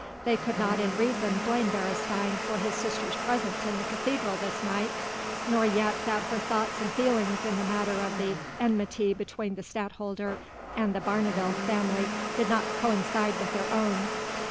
They could not in reason blame Beresteyn for his sister's presence in the cathedral this night, nor yet that her thoughts and feelings in the matter of the enmity between the Stadtholder and the Barneveld family did not coincide with their own.